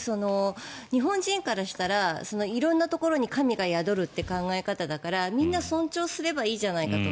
日本人からしたら色んなところに神が宿るって考え方だからみんな尊重すればいいじゃないかと。